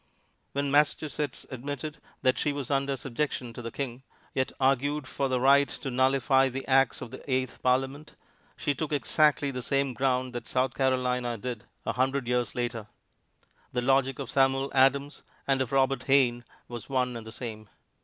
When Massachusetts admitted that she was under subjection to the King, yet argued for the right to nullify the Acts of the English Parliament, she took exactly the same ground that South Carolina did a hundred years later. The logic of Samuel Adams and of Robert Hayne was one and the same.